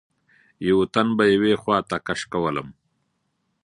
یوه تن به یوې خواته کش کولم.